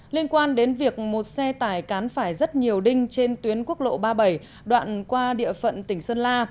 liên quan đến việc một xe tải cán phải rất nhiều đinh trên tuyến quốc lộ ba mươi bảy đoạn qua địa phận tỉnh sơn la